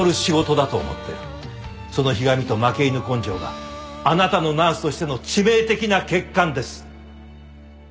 そのひがみと負け犬根性があなたのナースとしての致命的な欠陥です。